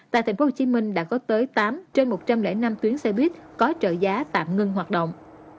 tại tp hcm đã có tới tám trên một trăm linh năm tuyến xe buýt có trợ giá tạm ngưng hoạt động